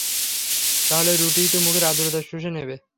তাহলে, রুটিই তো মুখের আর্দ্রতা শুষে নেবে।